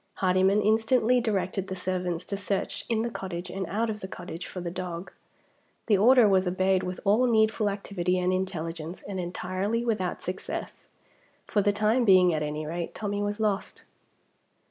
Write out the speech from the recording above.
Hardyman instantly directed the servants to search in the cottage and out of the cottage for the dog. The order was obeyed with all needful activity and intelligence, and entirely without success. For the time being at any rate, Tommie was lost.